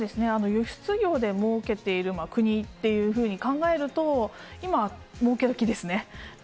輸出業で儲けている国っていうふうに考えると、今、もうけどきですね。